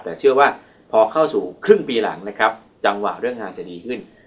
แต่เชื่อว่าพอเข้าสู่ครึ่งปีหลังนะครับจังหวะเรื่องงานจะดีขึ้น